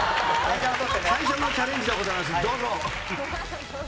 最初のチャレンジでございます、どうぞ。